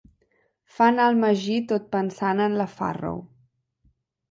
Fa anar el magí tot pensant en la Farrow.